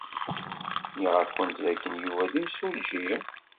Nniɣ-awent dakken Yuba d imsujji?